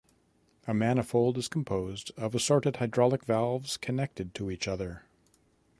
A manifold is composed of assorted hydraulic valves connected to each other.